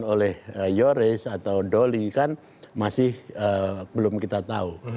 oleh yoris atau doli kan masih belum kita tahu